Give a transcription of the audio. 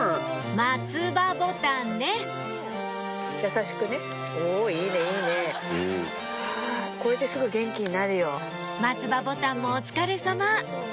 マツバボタンもお疲れさま！